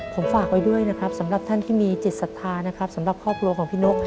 ผมฝากไว้ด้วยนะครับสำหรับท่านที่มีจิตศรัทธานะครับสำหรับครอบครัวของพี่นก